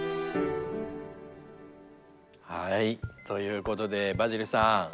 ということでバジルさん。